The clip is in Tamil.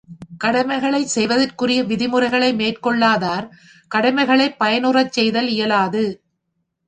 கடமைகளைச் செய்வதற்குரிய விதிமுறைகளை மேற்கொள்ளாதார் கடமைகளைப் பயனுறச்செய்தல் இயலாது.